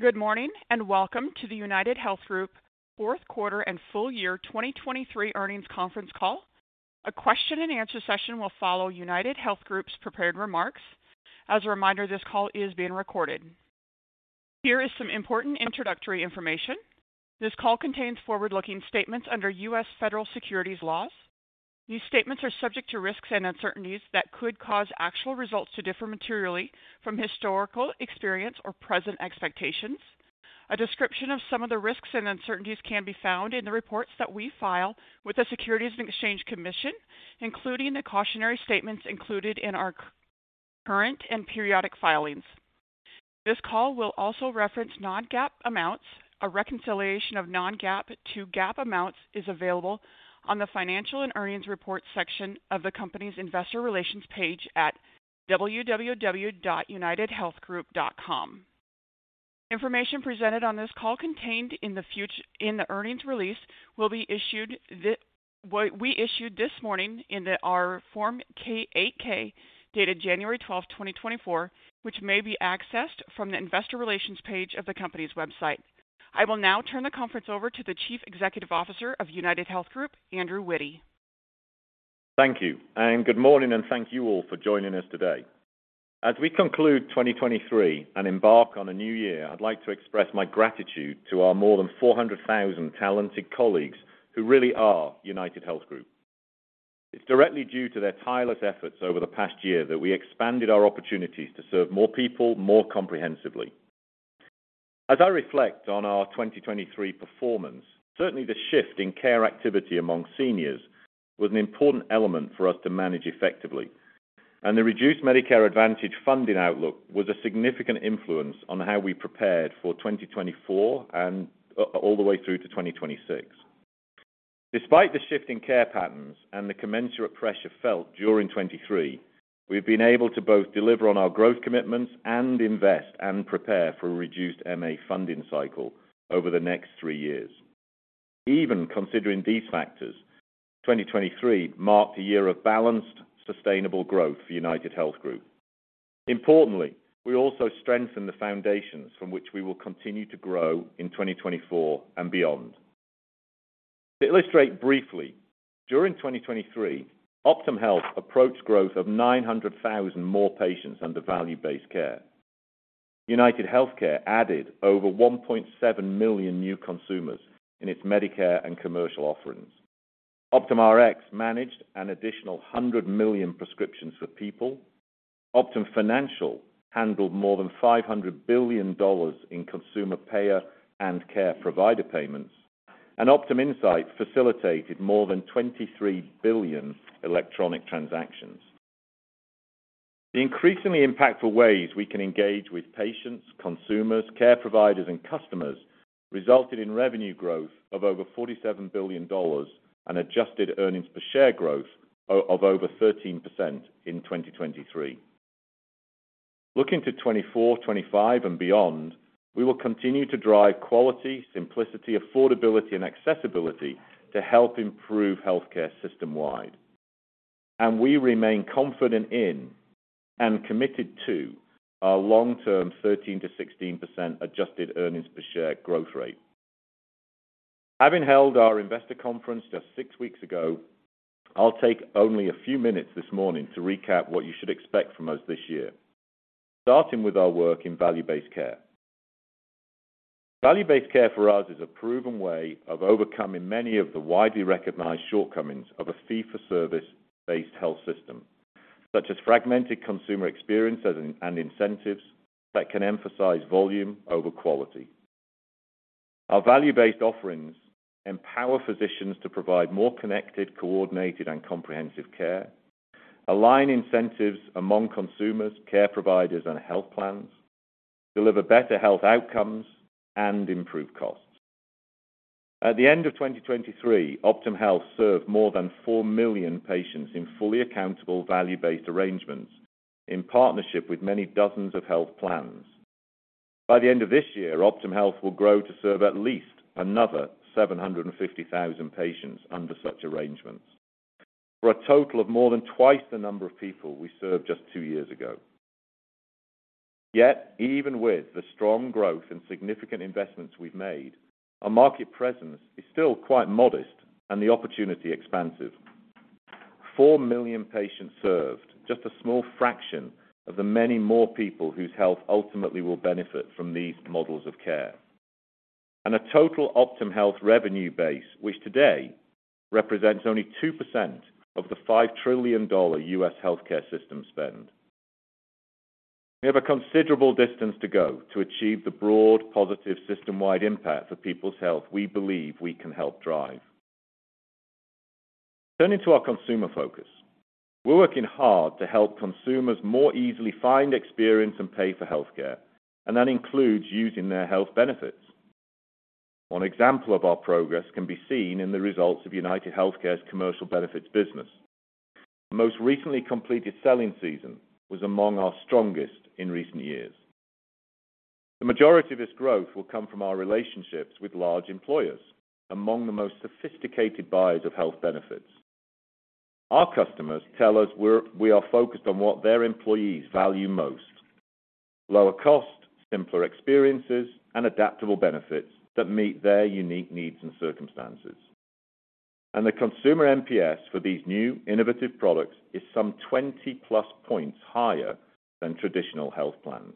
Good morning, and welcome to the UnitedHealth Group fourth quarter and full year 2023 earnings conference call. A question and answer session will follow UnitedHealth Group's prepared remarks. As a reminder, this call is being recorded. Here is some important introductory information. This call contains forward-looking statements under U.S. federal securities laws. These statements are subject to risks and uncertainties that could cause actual results to differ materially from historical experience or present expectations. A description of some of the risks and uncertainties can be found in the reports that we file with the Securities and Exchange Commission, including the cautionary statements included in our current and periodic filings. This call will also reference non-GAAP amounts. A reconciliation of non-GAAP to GAAP amounts is available on the Financial and Earnings Reports section of the company's Investor Relations page at www.unitedhealthgroup.com. Information presented on this call contained in the earnings release, which we issued this morning in our Form 8-K, dated January 12th, 2024, which may be accessed from the Investor Relations page of the company's website. I will now turn the conference over to the Chief Executive Officer of UnitedHealth Group, Andrew Witty. Thank you, and good morning, and thank you all for joining us today. As we conclude 2023 and embark on a new year, I'd like to express my gratitude to our more than 400,000 talented colleagues who really are UnitedHealth Group. It's directly due to their tireless efforts over the past year that we expanded our opportunities to serve more people, more comprehensively. As I reflect on our 2023 performance, certainly the shift in care activity among seniors was an important element for us to manage effectively, and the reduced Medicare Advantage funding outlook was a significant influence on how we prepared for 2024 and all the way through to 2026. Despite the shift in care patterns and the commensurate pressure felt during 2023, we've been able to both deliver on our growth commitments and invest and prepare for a reduced MA funding cycle over the next three years. Even considering these factors, 2023 marked a year of balanced, sustainable growth for UnitedHealth Group. Importantly, we also strengthened the foundations from which we will continue to grow in 2024 and beyond. To illustrate briefly, during 2023, Optum Health approached growth of 900,000 more patients under value-based care. UnitedHealthcare added over 1.7 million new consumers in its Medicare and commercial offerings. Optum Rx managed an additional 100 million prescriptions for people. Optum Financial handled more than $500 billion in consumer payer and care provider payments, and Optum Insight facilitated more than 23 billion electronic transactions. The increasingly impactful ways we can engage with patients, consumers, care providers, and customers resulted in revenue growth of over $47 billion and adjusted earnings per share growth of over 13% in 2023. Looking to 2024, 2025 and beyond, we will continue to drive quality, simplicity, affordability, and accessibility to help improve healthcare system-wide. And we remain confident in and committed to our long-term 13% to 16% adjusted earnings per share growth rate. Having held our investor conference just six weeks ago, I'll take only a few minutes this morning to recap what you should expect from us this year. Starting with our work in value-based care. Value-based care for us is a proven way of overcoming many of the widely recognized shortcomings of a fee-for-service-based health system, such as fragmented consumer experiences and incentives that can emphasize volume over quality. Our value-based offerings empower physicians to provide more connected, coordinated, and comprehensive care, align incentives among consumers, care providers, and health plans, deliver better health outcomes, and improve costs. At the end of 2023, Optum Health served more than 4 million patients in fully accountable value-based arrangements in partnership with many dozens of health plans. By the end of this year, Optum Health will grow to serve at least another 750,000 patients under such arrangements, for a total of more than twice the number of people we served just two years ago. Yet, even with the strong growth and significant investments we've made, our market presence is still quite modest and the opportunity expansive. Four million patients served, just a small fraction of the many more people whose health ultimately will benefit from these models of care. A total Optum Health revenue base, which today represents only 2% of the $5 trillion U.S. healthcare system spend. We have a considerable distance to go to achieve the broad, positive system-wide impact for people's health we believe we can help drive. Turning to our consumer focus. We're working hard to help consumers more easily find, experience, and pay for healthcare, and that includes using their health benefits. One example of our progress can be seen in the results of UnitedHealthcare's commercial benefits business. Most recently completed selling season was among our strongest in recent years. The majority of this growth will come from our relationships with large employers, among the most sophisticated buyers of health benefits... Our customers tell us we're, we are focused on what their employees value most: lower cost, simpler experiences, and adaptable benefits that meet their unique needs and circumstances. The consumer NPS for these new innovative products is some 20+ points higher than traditional health plans.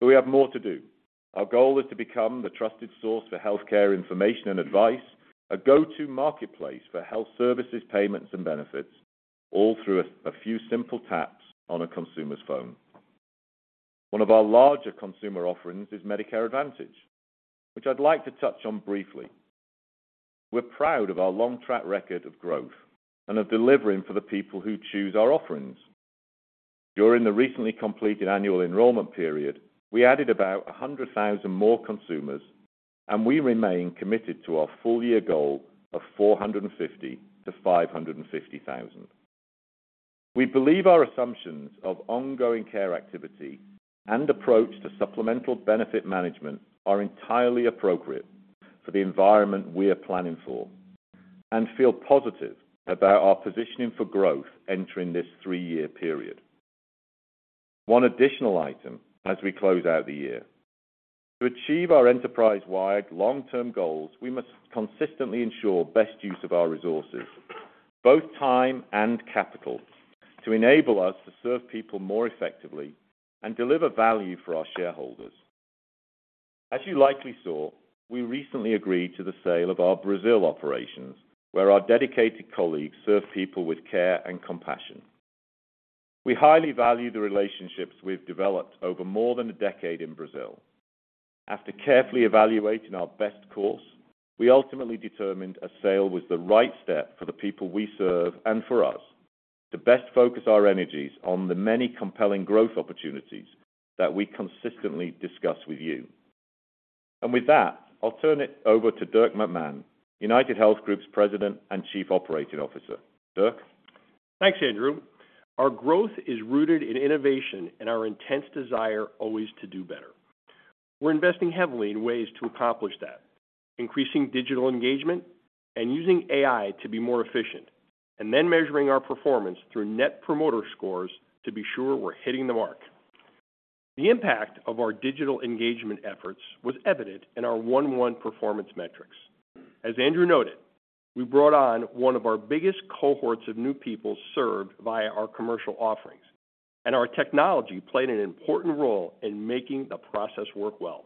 But we have more to do. Our goal is to become the trusted source for healthcare information and advice, a go-to marketplace for health services, payments, and benefits, all through a few simple taps on a consumer's phone. One of our larger consumer offerings is Medicare Advantage, which I'd like to touch on briefly. We're proud of our long track record of growth and of delivering for the people who choose our offerings. During the recently completed Annual Enrollment Period, we added about 100,000 more consumers, and we remain committed to our full year goal of 450,000 to 550,000. We believe our assumptions of ongoing care activity and approach to supplemental benefit management are entirely appropriate for the environment we are planning for and feel positive about our positioning for growth entering this three-year period. One additional item as we close out the year: to achieve our enterprise-wide long-term goals, we must consistently ensure best use of our resources, both time and capital, to enable us to serve people more effectively and deliver value for our shareholders. As you likely saw, we recently agreed to the sale of our Brazil operations, where our dedicated colleagues serve people with care and compassion. We highly value the relationships we've developed over more than a decade in Brazil. After carefully evaluating our best course, we ultimately determined a sale was the right step for the people we serve and for us to best focus our energies on the many compelling growth opportunities that we consistently discuss with you. With that, I'll turn it over to Dirk McMahon, UnitedHealth Group's President and Chief Operating Officer. Dirk? Thanks, Andrew. Our growth is rooted in innovation and our intense desire always to do better. We're investing heavily in ways to accomplish that, increasing digital engagement and using AI to be more efficient, and then measuring our performance through Net Promoter Scores to be sure we're hitting the mark. The impact of our digital engagement efforts was evident in our 1/1 performance metrics. As Andrew noted, we brought on one of our biggest cohorts of new people served via our commercial offerings, and our technology played an important role in making the process work well.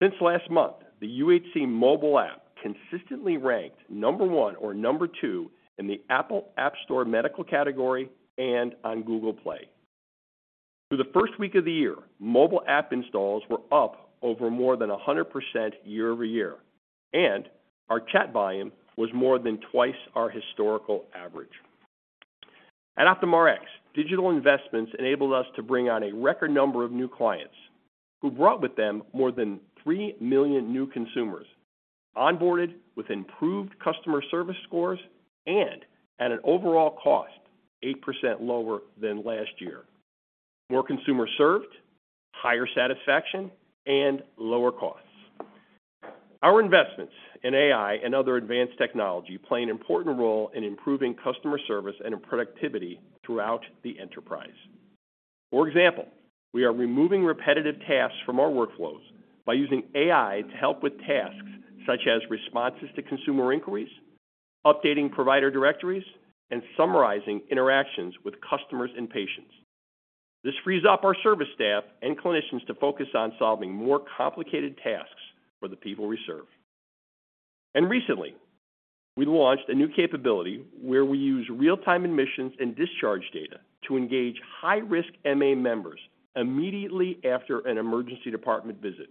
Since last month, the UHC mobile app consistently ranked number one or number two in the Apple App Store medical category and on Google Play. Through the first week of the year, mobile app installs were up over more than 100% year-over-year, and our chat volume was more than twice our historical average. At Optum Rx, digital investments enabled us to bring on a record number of new clients, who brought with them more than three million new consumers, onboarded with improved customer service scores and at an overall cost 8% lower than last year. More consumers served, higher satisfaction, and lower costs. Our investments in AI and other advanced technology play an important role in improving customer service and in productivity throughout the enterprise. For example, we are removing repetitive tasks from our workflows by using AI to help with tasks such as responses to consumer inquiries, updating provider directories, and summarizing interactions with customers and patients. This frees up our service staff and clinicians to focus on solving more complicated tasks for the people we serve. Recently, we launched a new capability where we use real-time admissions and discharge data to engage high-risk MA members immediately after an emergency department visit,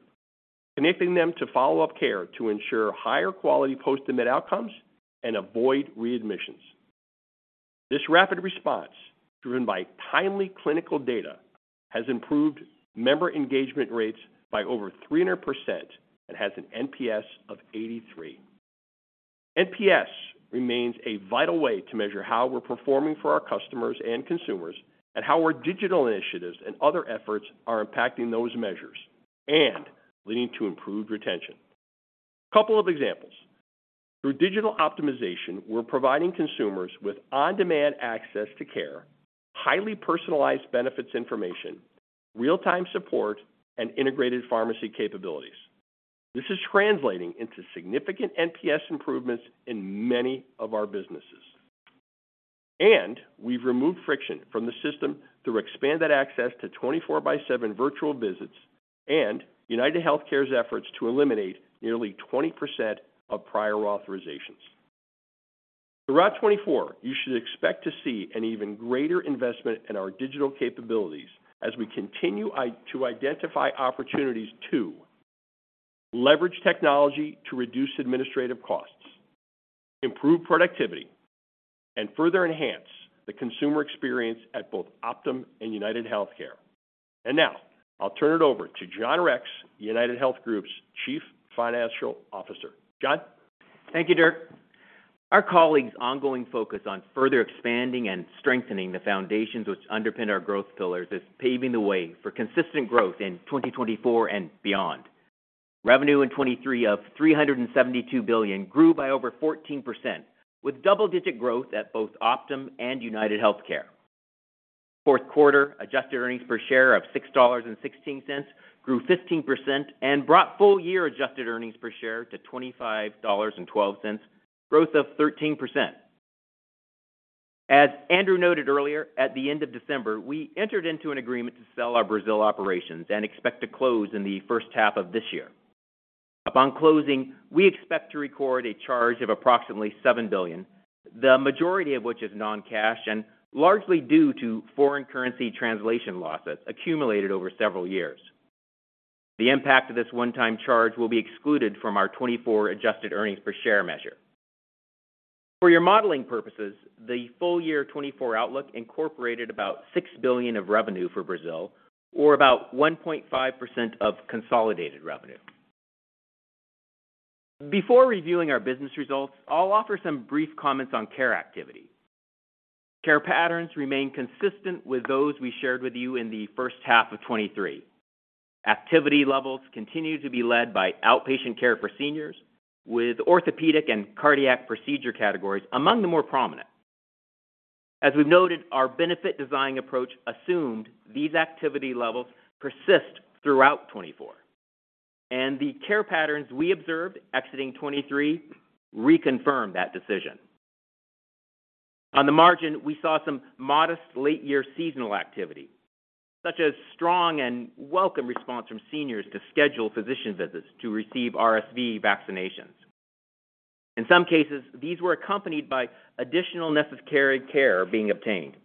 connecting them to follow-up care to ensure higher quality post-admit outcomes and avoid readmissions. This rapid response, driven by timely clinical data, has improved member engagement rates by over 300% and has an NPS of 83. NPS remains a vital way to measure how we're performing for our customers and consumers and how our digital initiatives and other efforts are impacting those measures and leading to improved retention. A couple of examples. Through digital optimization, we're providing consumers with on-demand access to care, highly personalized benefits information, real-time support, and integrated pharmacy capabilities. This is translating into significant NPS improvements in many of our businesses. We've removed friction from the system through expanded access to 24/7 virtual visits and UnitedHealthcare's efforts to eliminate nearly 20% of prior authorizations. Throughout 2024, you should expect to see an even greater investment in our digital capabilities as we continue to identify opportunities to leverage technology to reduce administrative costs, improve productivity, and further enhance the consumer experience at both Optum and UnitedHealthcare. Now I'll turn it over to John Rex, UnitedHealth Group's Chief Financial Officer. John? Thank you, Dirk. Our colleagues' ongoing focus on further expanding and strengthening the foundations which underpin our growth pillars is paving the way for consistent growth in 2024 and beyond.... Revenue in 2023 of $372 billion grew by over 14%, with double-digit growth at both Optum and UnitedHealthcare. Fourth quarter, adjusted earnings per share of $6.16 grew 15% and brought full-year adjusted earnings per share to $25.12, growth of 13%. As Andrew noted earlier, at the end of December, we entered into an agreement to sell our Brazil operations and expect to close in the first half of this year. Upon closing, we expect to record a charge of approximately $7 billion, the majority of which is non-cash and largely due to foreign currency translation losses accumulated over several years. The impact of this one-time charge will be excluded from our 2024 adjusted earnings per share measure. For your modeling purposes, the full year 2024 outlook incorporated about $6 billion of revenue for Brazil, or about 1.5% of consolidated revenue. Before reviewing our business results, I'll offer some brief comments on care activity. Care patterns remain consistent with those we shared with you in the first half of 2023. Activity levels continue to be led by outpatient care for seniors, with orthopedic and cardiac procedure categories among the more prominent. As we've noted, our benefit design approach assumed these activity levels persist throughout 2024, and the care patterns we observed exiting 2023 reconfirm that decision. On the margin, we saw some modest late-year seasonal activity, such as strong and welcome response from seniors to schedule physician visits to receive RSV vaccinations. In some cases, these were accompanied by additional necessary care being obtained,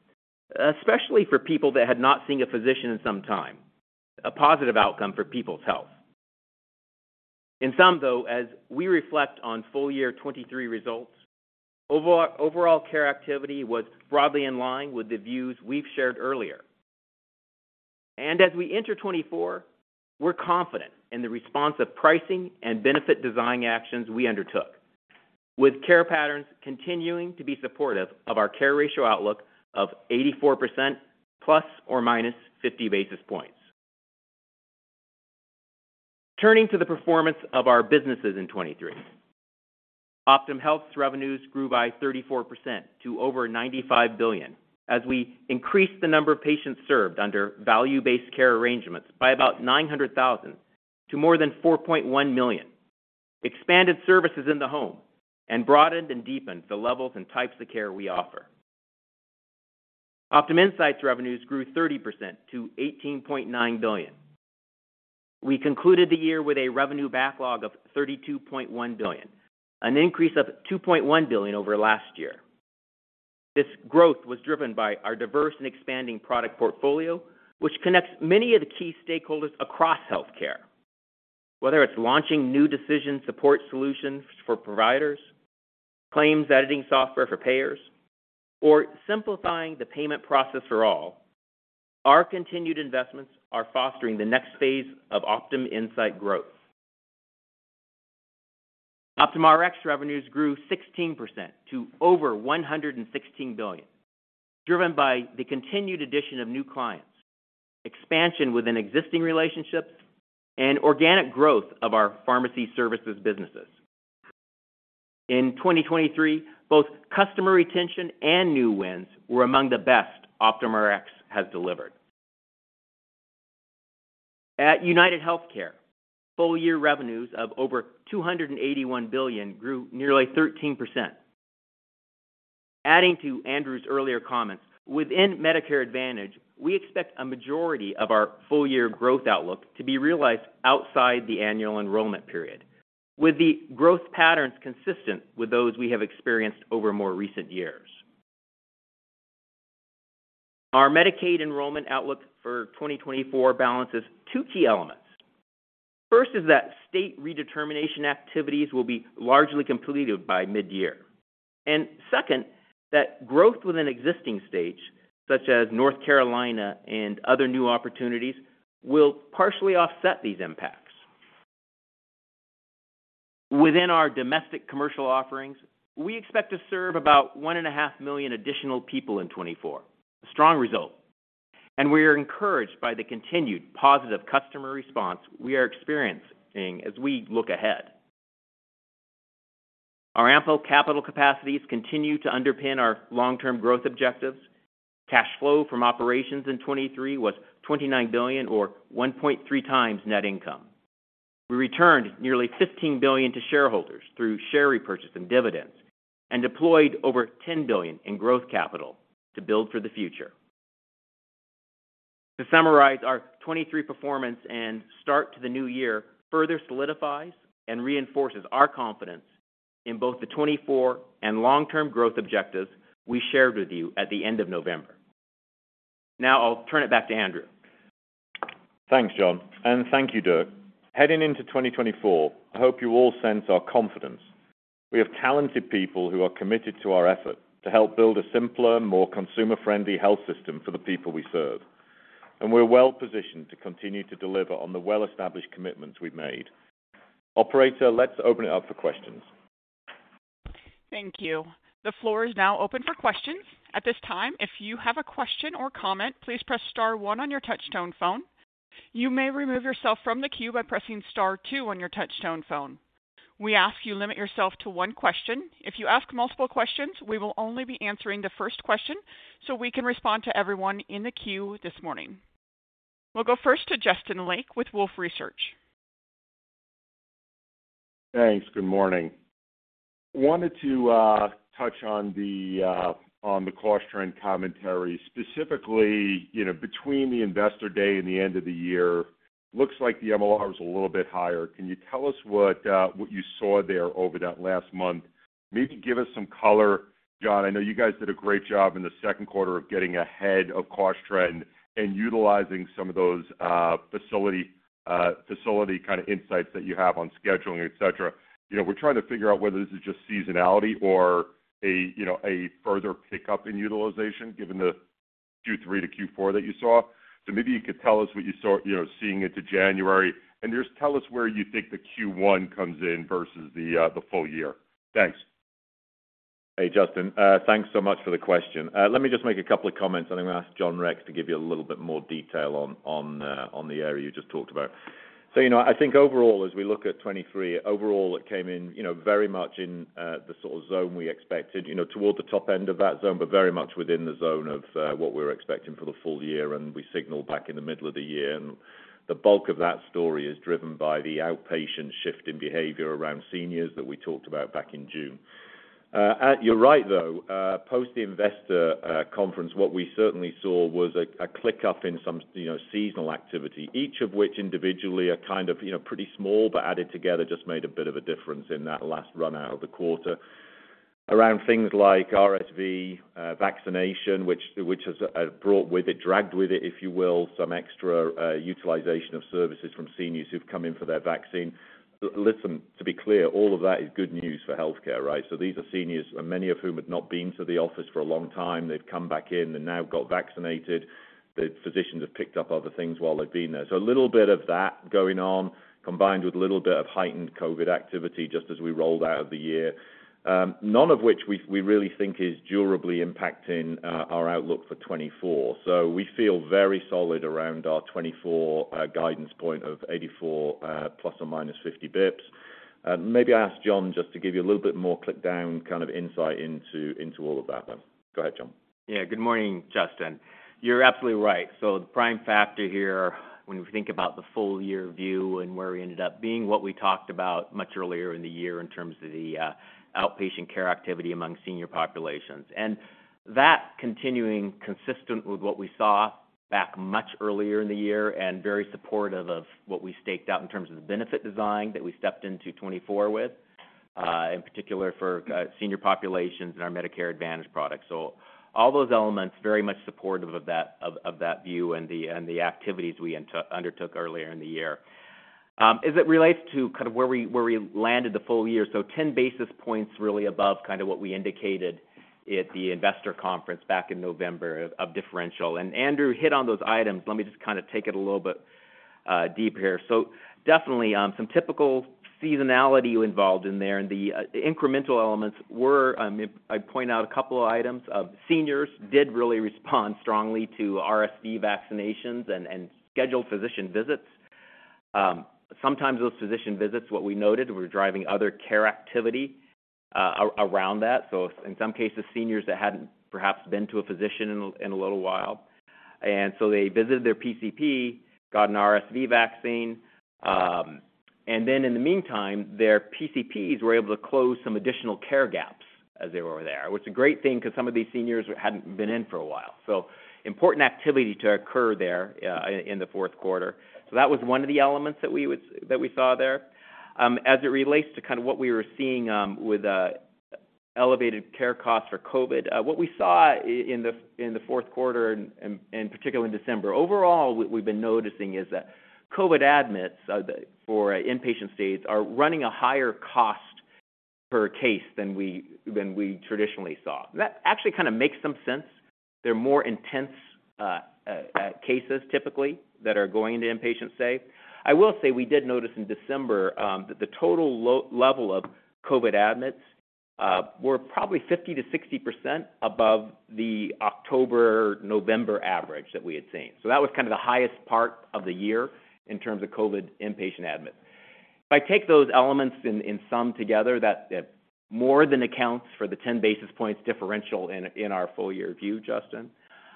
especially for people that had not seen a physician in some time. A positive outcome for people's health. In sum, though, as we reflect on full year 2023 results, overall care activity was broadly in line with the views we've shared earlier. And as we enter 2024, we're confident in the response of pricing and benefit design actions we undertook, with care patterns continuing to be supportive of our care ratio outlook of 84% ± 50 basis points. Turning to the performance of our businesses in 2023. Optum Health's revenues grew by 34% to over $95 billion as we increased the number of patients served under value-based care arrangements by about 900,000 to more than 4.1 million, expanded services in the home, and broadened and deepened the levels and types of care we offer. Optum Insight revenues grew 30% to $18.9 billion. We concluded the year with a revenue backlog of $32.1 billion, an increase of $2.1 billion over last year. This growth was driven by our diverse and expanding product portfolio, which connects many of the key stakeholders across healthcare. Whether it's launching new decision support solutions for providers, claims editing software for payers, or simplifying the payment process for all, our continued investments are fostering the next phase of Optum Insight growth. Optum Rx revenues grew 16% to over $116 billion, driven by the continued addition of new clients, expansion within existing relationships, and organic growth of our pharmacy services businesses. In 2023, both customer retention and new wins were among the best Optum Rx has delivered. At UnitedHealthcare, full year revenues of over $281 billion grew nearly 13%. Adding to Andrew's earlier comments, within Medicare Advantage, we expect a majority of our full-year growth outlook to be realized outside the Annual Enrollment Period, with the growth patterns consistent with those we have experienced over more recent years. Our Medicaid enrollment outlook for 2024 balances two key elements. First is that state redetermination activities will be largely completed by mid-year. And second, that growth within existing states, such as North Carolina and other new opportunities, will partially offset these impacts. Within our domestic commercial offerings, we expect to serve about 1.5 million additional people in 2024. A strong result, and we are encouraged by the continued positive customer response we are experiencing as we look ahead. Our ample capital capacities continue to underpin our long-term growth objectives. Cash flow from operations in 2023 was $29 billion, or 1.3 times net income. We returned nearly $15 billion to shareholders through share repurchase and dividends, and deployed over $10 billion in growth capital to build for the future. To summarize, our 2023 performance and start to the new year further solidifies and reinforces our confidence in both the 2024 and long-term growth objectives we shared with you at the end of November. Now, I'll turn it back to Andrew. Thanks, John, and thank you, Dirk. Heading into 2024, I hope you all sense our confidence. We have talented people who are committed to our effort to help build a simpler, more consumer-friendly health system for the people we serve. We're well positioned to continue to deliver on the well-established commitments we've made. Operator, let's open it up for questions.... Thank you. The floor is now open for questions. At this time, if you have a question or comment, please press star one on your touchtone phone. You may remove yourself from the queue by pressing star two on your touchtone phone. We ask you limit yourself to one question. If you ask multiple questions, we will only be answering the first question, so we can respond to everyone in the queue this morning. We'll go first to Justin Lake with Wolfe Research. Thanks. Good morning. Wanted to touch on the cost trend commentary, specifically, you know, between the Investor Day and the end of the year, looks like the MLR is a little bit higher. Can you tell us what you saw there over that last month? Maybe give us some color, John. I know you guys did a great job in the second quarter of getting ahead of cost trend and utilizing some of those facility kind of insights that you have on scheduling, et cetera. You know, we're trying to figure out whether this is just seasonality or a you know, a further pickup in utilization, given the Q3 to Q4 that you saw. Maybe you could tell us what you saw, you know, seeing into January, and just tell us where you think the Q1 comes in versus the full year. Thanks. Hey, Justin, thanks so much for the question. Let me just make a couple of comments, and I'm going to ask John Rex to give you a little bit more detail on the area you just talked about. So, you know, I think overall, as we look at 2023, overall, it came in, you know, very much in the sort of zone we expected, you know, toward the top end of that zone, but very much within the zone of what we were expecting for the full year, and we signaled back in the middle of the year. The bulk of that story is driven by the outpatient shift in behavior around seniors that we talked about back in June. And you're right, though, post the investor conference, what we certainly saw was an uptick in some, you know, seasonal activity, each of which individually are kind of, you know, pretty small, but added together, just made a bit of a difference in that last run out of the quarter. Around things like RSV vaccination, which has brought with it, dragged with it, if you will, some extra utilization of services from seniors who've come in for their vaccine. Listen, to be clear, all of that is good news for healthcare, right? So these are seniors, and many of whom had not been to the office for a long time. They've come back in and now got vaccinated. The physicians have picked up other things while they've been there. So a little bit of that going on, combined with a little bit of heightened COVID activity just as we rolled out of the year, none of which we really think is durably impacting our outlook for 2024. So we feel very solid around our 2024 guidance point of 84 ±50 bps. Maybe I ask John just to give you a little bit more drill down, kind of insight into all of that. Go ahead, John. Yeah, good morning, Justin. You're absolutely right. So the prime factor here, when we think about the full year view and where we ended up being, what we talked about much earlier in the year in terms of the outpatient care activity among senior populations. And that continuing consistent with what we saw back much earlier in the year, and very supportive of what we staked out in terms of the benefit design that we stepped into 2024 with, in particular for senior populations and our Medicare Advantage products. So all those elements, very much supportive of that view and the activities we undertook earlier in the year. As it relates to kind of where we, where we landed the full year, so 10 basis points really above kind of what we indicated at the investor conference back in November of differential. And Andrew hit on those items. Let me just kind of take it a little bit deep here. So definitely, some typical seasonality involved in there, and the, the incremental elements were, if I point out a couple of items, of seniors did really respond strongly to RSV vaccinations and, and scheduled physician visits. Sometimes those physician visits, what we noted, were driving other care activity, around that. So in some cases, seniors that hadn't perhaps been to a physician in a little while, and so they visited their PCP, got an RSV vaccine, and then in the meantime, their PCPs were able to close some additional care gaps as they were there. Which is a great thing because some of these seniors hadn't been in for a while. So important activity to occur there, in the fourth quarter. So that was one of the elements that we saw there. As it relates to kind of what we were seeing, with elevated care costs for COVID, what we saw in the fourth quarter and particularly in December, overall, we've been noticing is that COVID admits for inpatient stays are running a higher cost per case than we traditionally saw. That actually kind of makes some sense. They're more intense cases, typically, that are going into inpatient stay. I will say we did notice in December that the total level of COVID admits were probably 50% to 60% above the October, November average that we had seen. So that was kind of the highest part of the year in terms of COVID inpatient admits. If I take those elements in sum together, that more than accounts for the 10 basis points differential in our full year view, Justin.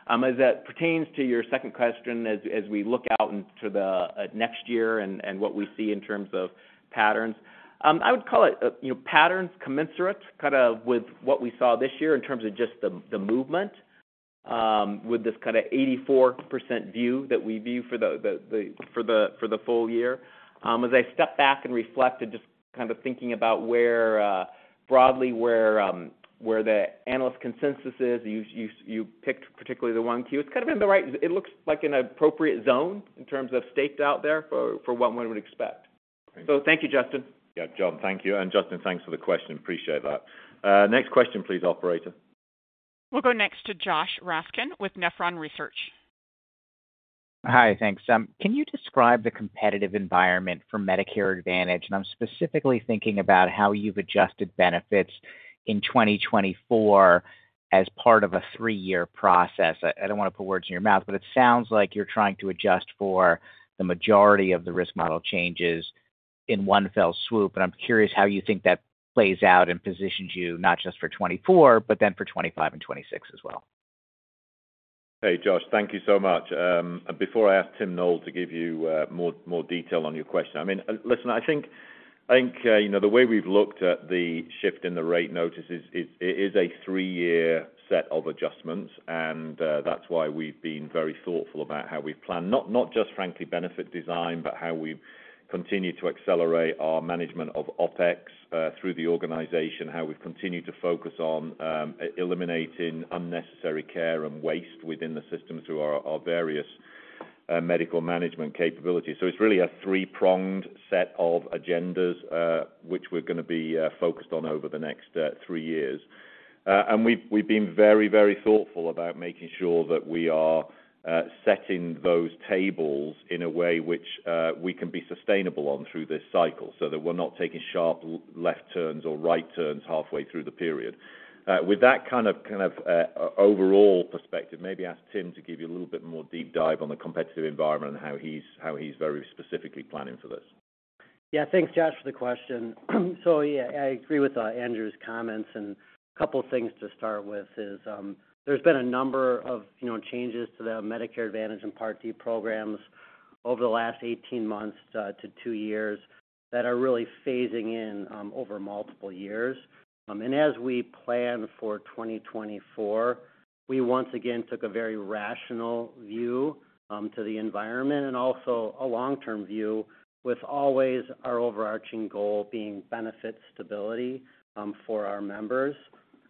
As that pertains to your second question, as, as we look out into the next year and, and what we see in terms of patterns, I would call it, you know, patterns commensurate, kind of with what we saw this year in terms of just the, the movement, with this kind of 84% view that we view for the full year. As I step back and reflect and just kind of thinking about where, broadly where, where the analyst consensus is, you picked particularly the Q1, it's kind of in the right, it looks like an appropriate zone in terms of staked out there for what one would expect. Great. Thank you, Justin. Yeah, John, thank you. Justin, thanks for the question. Appreciate that. Next question, please, operator. We'll go next to Joshua Raskin with Nephron Research.... Hi, thanks. Can you describe the competitive environment for Medicare Advantage? I'm specifically thinking about how you've adjusted benefits in 2024 as part of a three-year process. I don't want to put words in your mouth, but it sounds like you're trying to adjust for the majority of the risk model changes in one fell swoop. I'm curious how you think that plays out and positions you not just for 2024, but then for 2025 and 2026 as well. Hey, Josh, thank you so much. Before I ask Tim Noel to give you more detail on your question, I mean, listen, I think you know, the way we've looked at the shift in the rate notices, it is a three-year set of adjustments, and that's why we've been very thoughtful about how we plan, not just frankly, benefit design, but how we've continued to accelerate our management of OpEx through the organization, how we've continued to focus on eliminating unnecessary care and waste within the system through our various medical management capabilities. So it's really a three-pronged set of agendas which we're going to be focused on over the next three years. And we've been very, very thoughtful about making sure that we are setting those tables in a way which we can be sustainable on through this cycle, so that we're not taking sharp left turns or right turns halfway through the period. With that kind of overall perspective, maybe ask Tim to give you a little bit more deep dive on the competitive environment and how he's very specifically planning for this. Yeah, thanks, Josh, for the question. So yeah, I agree with Andrew's comments. And a couple of things to start with is, there's been a number of, you know, changes to the Medicare Advantage and Part D programs over the last 18 months to two years, that are really phasing in over multiple years. And as we plan for 2024, we once again took a very rational view to the environment and also a long-term view, with always our overarching goal being benefit stability for our members.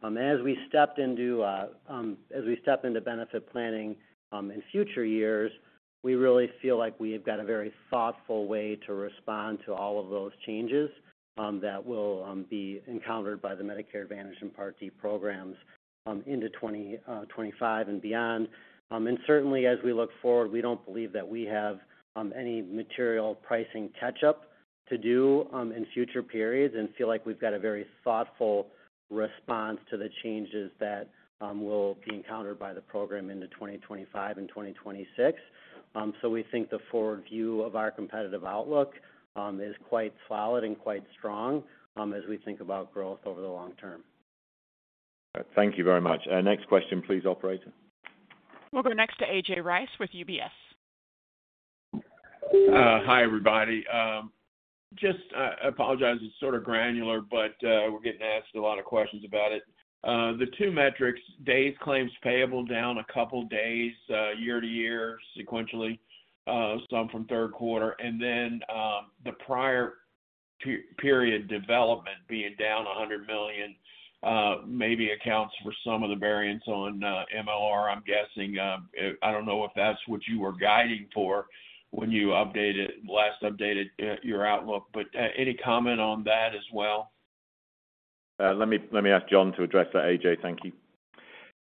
And as we step into benefit planning, in future years, we really feel like we've got a very thoughtful way to respond to all of those changes, that will be encountered by the Medicare Advantage and Part D programs, into 2025 and beyond. And certainly as we look forward, we don't believe that we have any material pricing catch-up to do, in future periods, and feel like we've got a very thoughtful response to the changes that will be encountered by the program into 2025 and 2026. So we think the forward view of our competitive outlook is quite solid and quite strong, as we think about growth over the long term. Thank you very much. Next question, please, operator. We'll go next to A.J. Rice with UBS. Hi, everybody. Just, I apologize, it's sort of granular, but we're getting asked a lot of questions about it. The two metrics, days claims payable, down a couple of days year-over-year, sequentially, some from third quarter. And then, the prior period development being down $100 million, maybe accounts for some of the variance on MLR, I'm guessing. I don't know if that's what you were guiding for when you updated, last updated, your outlook, but any comment on that as well? Let me ask John to address that, AJ. Thank you.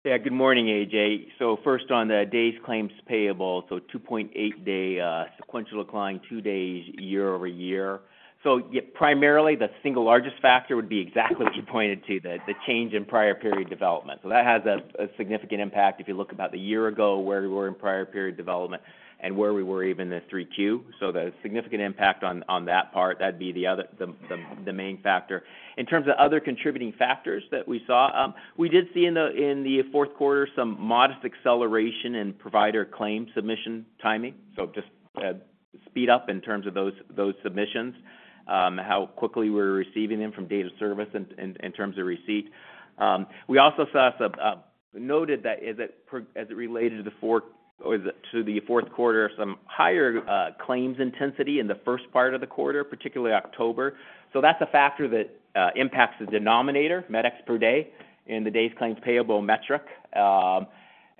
Yeah. Good morning, A.J. So first on the days claims payable, so 2.8-day sequential decline, two days year-over-year. So yeah, primarily, the single largest factor would be exactly what you pointed to, the change in prior period development. So that has a significant impact if you look about the year ago, where we were in prior period development and where we were even in Q3. So the significant impact on that part, that'd be the other, the main factor. In terms of other contributing factors that we saw, we did see in the fourth quarter, some modest acceleration in provider claim submission timing, so just speed up in terms of those submissions, how quickly we're receiving them from date of service in terms of receipt. We also noted that as it related to the fourth quarter, some higher claims intensity in the first part of the quarter, particularly October. So that's a factor that impacts the denominator, MedEx per day, in the days claims payable metric.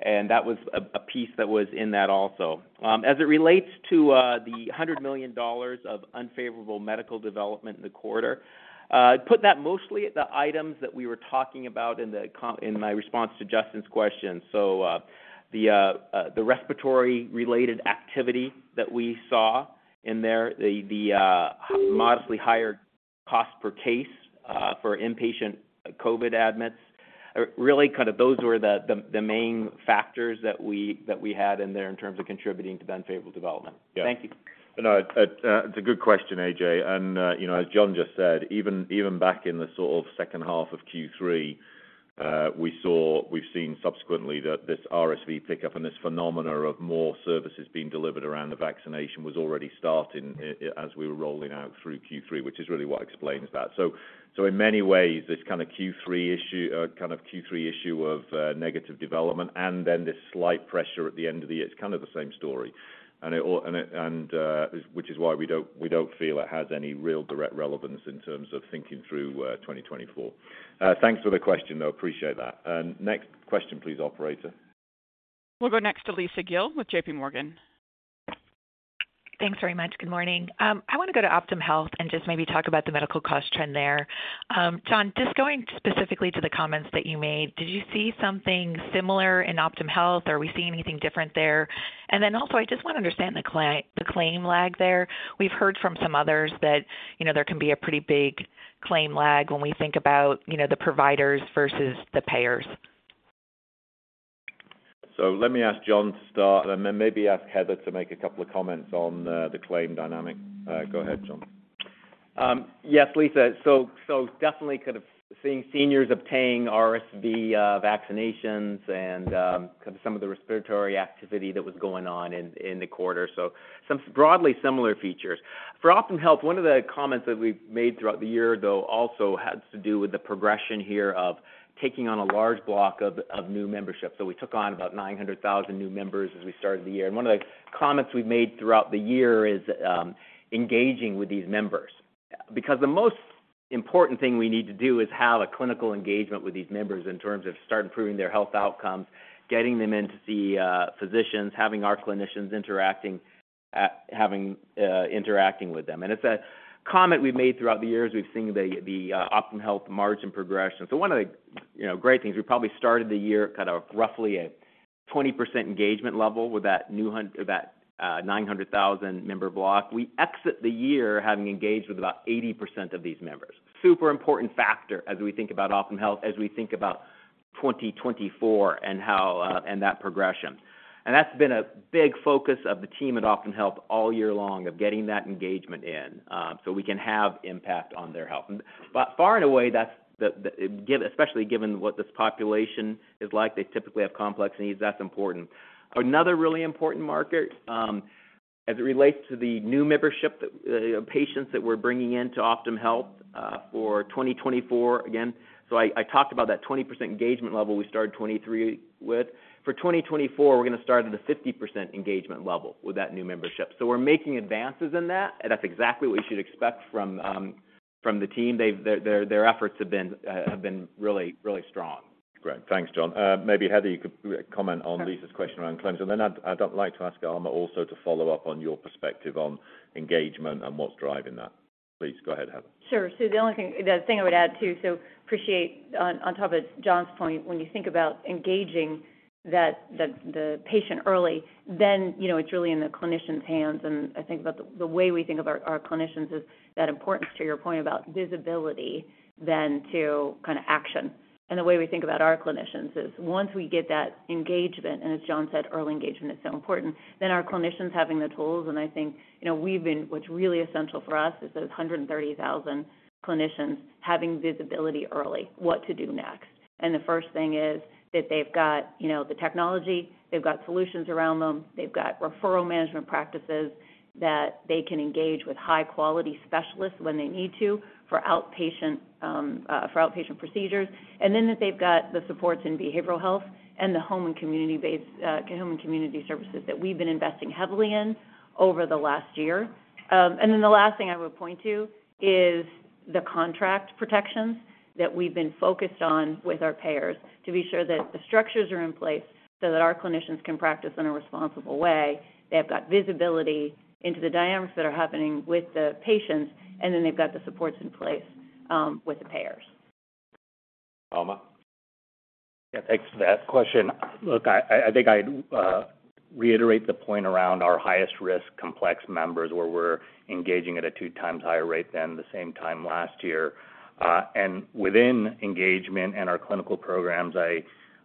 And that was a piece that was in that also. As it relates to the $100 million of unfavorable medical development in the quarter, I'd put that mostly at the items that we were talking about in my response to Justin's question. So, the respiratory-related activity that we saw in there, the modestly higher cost per case for inpatient COVID admits, really kind of those were the main factors that we had in there in terms of contributing to unfavorable development. Yeah. Thank you. No, it's a good question, AJ. And, you know, as John just said, even back in the sort of second half of Q3, we saw—we've seen subsequently that this RSV pickup and this phenomenon of more services being delivered around the vaccination was already starting as we were rolling out through Q3, which is really what explains that. So in many ways, this kind of Q3 issue, kind of Q3 issue of negative development and then this slight pressure at the end of the year, it's kind of the same story. And it all—and it, which is why we don't, we don't feel it has any real direct relevance in terms of thinking through 2024. Thanks for the question, though. I appreciate that. And next question, please, operator. We'll go next to Lisa Gill with J.P. Morgan. ... Thanks very much. Good morning. I want to go to Optum Health and just maybe talk about the medical cost trend there. John, just going specifically to the comments that you made, did you see something similar in Optum Health, or are we seeing anything different there? And then also, I just want to understand the claim lag there. We've heard from some others that, you know, there can be a pretty big claim lag when we think about, you know, the providers versus the payers. So let me ask John to start, and then maybe ask Heather to make a couple of comments on the claim dynamic. Go ahead, John. Yes, Lisa. So definitely kind of seeing seniors obtaining RSV vaccinations and kind of some of the respiratory activity that was going on in the quarter. So some broadly similar features. For Optum Health, one of the comments that we've made throughout the year, though, also has to do with the progression here of taking on a large block of new memberships. So we took on about 900,000 new members as we started the year. And one of the comments we've made throughout the year is engaging with these members, because the most important thing we need to do is have a clinical engagement with these members in terms of start improving their health outcomes, getting them in to see physicians, having our clinicians interacting with them. And it's a comment we've made throughout the years. We've seen Optum Health margin progression. So one of the, you know, great things, we probably started the year at kind of roughly a 20% engagement level with that new nine hundred thousand member block. We exit the year having engaged with about 80% of these members. Super important factor as we think about Optum Health, as we think about 2024 and how and that progression. And that's been a big focus of the team at Optum Health all year long, of getting that engagement in, so we can have impact on their health. But far and away, that's especially given what this population is like, they typically have complex needs, that's important. Another really important market, as it relates to the new membership, that patients that we're bringing in to Optum Health, for 2024 again. So I, I talked about that 20% engagement level we started 2023 with. For 2024, we're gonna start at a 50% engagement level with that new membership. So we're making advances in that, and that's exactly what you should expect from, from the team. They've-- Their, their efforts have been, have been really, really strong. Great. Thanks, John. Maybe, Heather, you could comment on Lisa's question around claims, and then I'd, I'd like to ask Amar also to follow up on your perspective on engagement and what's driving that. Please go ahead, Heather. Sure. So the only thing, the thing I would add, too, so appreciate on, on top of John's point, when you think about engaging that, the patient early, then, you know, it's really in the clinician's hands. And I think about the way we think of our clinicians is that importance to your point about visibility than to kind of action. And the way we think about our clinicians is once we get that engagement, and as John said, early engagement is so important, then our clinicians having the tools. And I think, you know, we've been—what's really essential for us is those 130,000 clinicians having visibility early, what to do next. The first thing is that they've got, you know, the technology, they've got solutions around them, they've got referral management practices that they can engage with high-quality specialists when they need to for outpatient procedures. And then that they've got the supports in behavioral health and the home and community-based home and community services that we've been investing heavily in over the last year. And then the last thing I would point to is the contract protections that we've been focused on with our payers, to be sure that the structures are in place so that our clinicians can practice in a responsible way. They've got visibility into the dynamics that are happening with the patients, and then they've got the supports in place with the payers. Amar? Yeah, thanks for that question. Look, I think I'd reiterate the point around our highest risk complex members, where we're engaging at a two times higher rate than the same time last year. And within engagement and our clinical programs,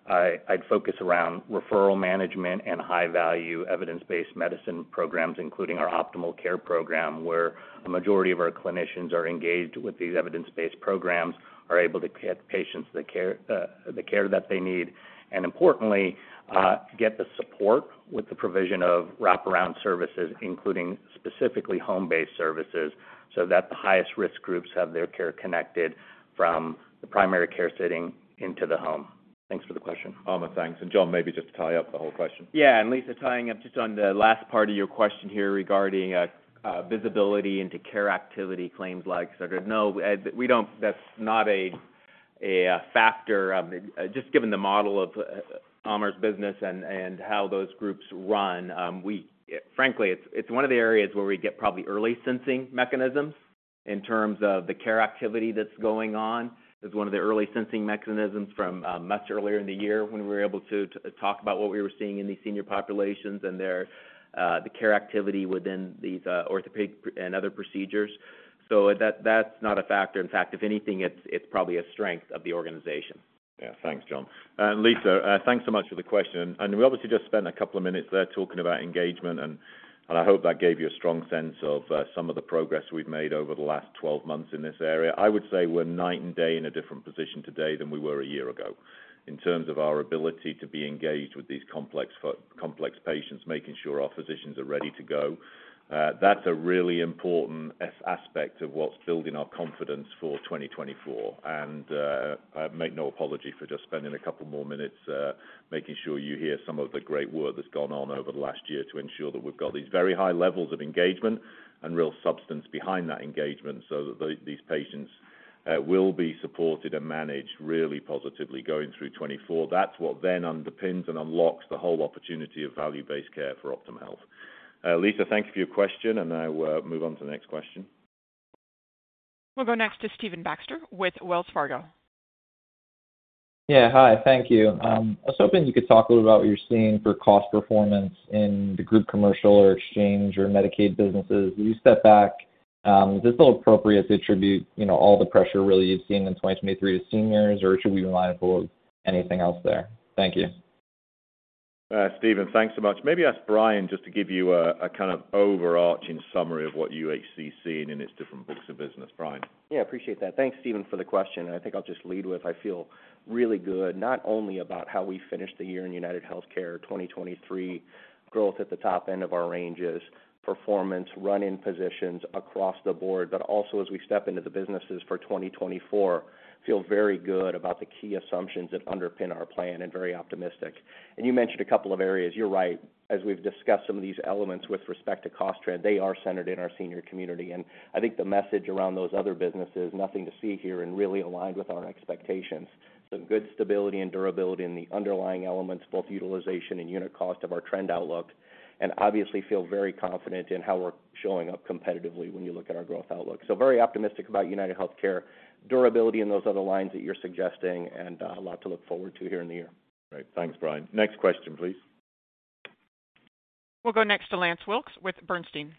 I'd focus around referral management and high-value, evidence-based medicine programs, including our optimal care program, where a majority of our clinicians are engaged with these evidence-based programs, are able to get patients the care, the care that they need, and importantly, get the support with the provision of wraparound services, including specifically home-based services, so that the highest risk groups have their care connected from the primary care setting into the home. Thanks for the question. Amar, thanks. John, maybe just to tie up the whole question. Yeah, Lisa, tying up just on the last part of your question here regarding visibility into care activity, claims like. So no, we don't-- That's not a factor. Just given the model of Amar's business and how those groups run, we... Frankly, it's one of the areas where we get probably early sensing mechanisms in terms of the care activity that's going on. It's one of the early sensing mechanisms from much earlier in the year when we were able to talk about what we were seeing in these senior populations and their the care activity within these orthopedic and other procedures. So that, that's not a factor. In fact, if anything, it's probably a strength of the organization. Yeah. Thanks, John. And Lisa, thanks so much for the question. And we obviously just spent a couple of minutes there talking about engagement, and, and I hope that gave you a strong sense of some of the progress we've made over the last 12 months in this area. I would say we're night and day in a different position today than we were a year ago, in terms of our ability to be engaged with these complex patients, making sure our physicians are ready to go. That's a really important aspect of what's building our confidence for 2024. I make no apology for just spending a couple more minutes, making sure you hear some of the great work that's gone on over the last year to ensure that we've got these very high levels of engagement and real substance behind that engagement, so that these patients will be supported and managed really positively going through 2024. That's what then underpins and unlocks the whole opportunity of value-based care for Optum Health. Lisa, thank you for your question, and I will move on to the next question. We'll go next to Stephen Baxter with Wells Fargo. Yeah, hi. Thank you. I was hoping you could talk a little about what you're seeing for cost performance in the group commercial or exchange, or Medicaid businesses. As you step back, is this appropriate to attribute, you know, all the pressure really you've seen in 2023 to seniors, or should we be mindful of anything else there? Thank you. Stephen, thanks so much. Maybe ask Brian just to give you a kind of overarching summary of what UHC is seeing in its different books of business. Brian? Yeah, appreciate that. Thanks, Stephen, for the question, and I think I'll just lead with, I feel really good not only about how we finished the year in UnitedHealthcare, 2023, growth at the top end of our ranges, performance, running positions across the board, but also as we step into the businesses for 2024, feel very good about the key assumptions that underpin our plan and very optimistic. And you mentioned a couple of areas. You're right. As we've discussed some of these elements with respect to cost trend, they are centered in our senior community, and I think the message around those other businesses, nothing to see here and really aligned with our expectations. So good stability and durability in the underlying elements, both utilization and unit cost of our trend outlook, and obviously feel very confident in how we're showing up competitively when you look at our growth outlook. So very optimistic about UnitedHealthcare, durability in those other lines that you're suggesting, and a lot to look forward to here in the year. Great. Thanks, Brian. Next question, please. We'll go next to Lance Wilkes with Bernstein.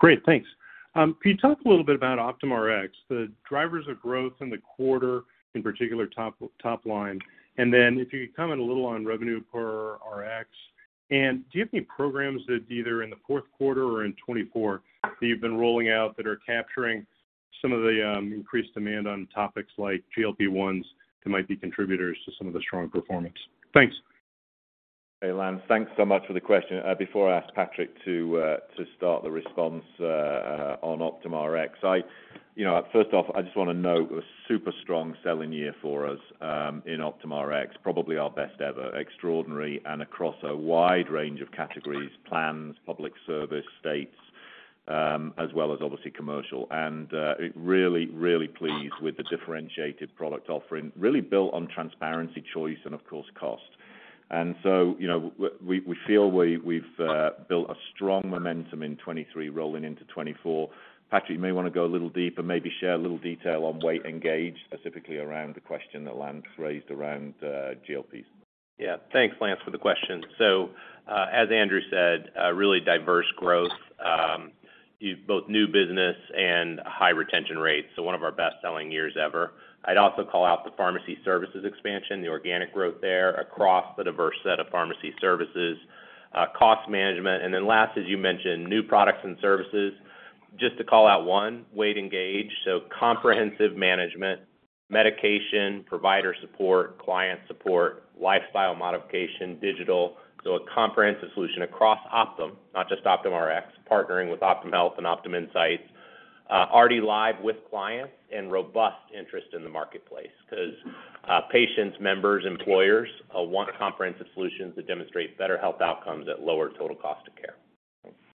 Great, thanks. Can you talk a little bit about Optum Rx, the drivers of growth in the quarter, in particular, top, top line? And then if you could comment a little on revenue per Rx. And do you have any programs that either in the fourth quarter or in 2024, that you've been rolling out that are capturing some of the increased demand on topics like GLP-1s, that might be contributors to some of the strong performance? Thanks. Hey, Lance, thanks so much for the question. Before I ask Patrick to start the response on Optum Rx, you know, first off, I just want to note a super strong selling year for us in Optum Rx, probably our best ever. Extraordinary and across a wide range of categories, plans, public service, states, as well as obviously commercial. And it really, really pleased with the differentiated product offering, really built on transparency, choice, and of course, cost. And so, you know, we feel we've built a strong momentum in 2023 rolling into 2024. Patrick, you may want to go a little deeper, maybe share a little detail on Weight Engage, specifically around the question that Lance raised around GLPs. Yeah. Thanks, Lance, for the question. So, as Andrew said, a really diverse growth, both new business and high retention rates, so one of our best-selling years ever. I'd also call out the pharmacy services expansion, the organic growth there across the diverse set of pharmacy services, cost management, and then last, as you mentioned, new products and services. Just to call out one, Weight Engage. So comprehensive management, medication, provider support, client support, lifestyle modification, digital. So a comprehensive solution across Optum, not just Optum Rx, partnering with Optum Health and Optum Insight. Already live with clients and robust interest in the marketplace 'cause patients, members, employers want comprehensive solutions that demonstrate better health outcomes at lower total cost of care.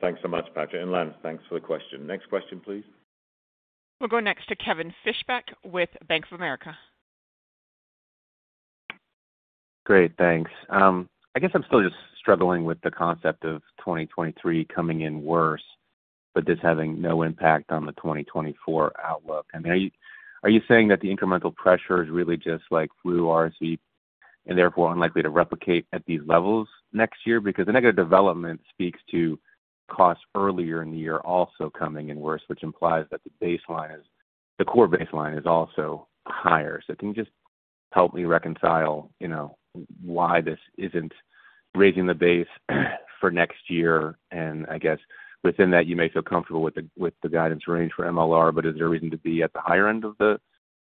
Thanks so much, Patrick, and Lance, thanks for the question. Next question, please. We'll go next to Kevin Fischbeck with Bank of America. Great, thanks. I guess I'm still just struggling with the concept of 2023 coming in worse, but this having no impact on the 2024 outlook. I mean, are you saying that the incremental pressure is really just like flu, RSV, and therefore unlikely to replicate at these levels next year? Because the negative development speaks to costs earlier in the year, also coming in worse, which implies that the baseline is, the core baseline is also higher. So can you just help me reconcile, you know, why this isn't raising the base for next year? And I guess within that, you may feel comfortable with the guidance range for MLR, but is there a reason to be at the higher end of the